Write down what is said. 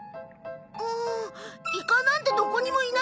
うーんイカなんてどこにもいないけど。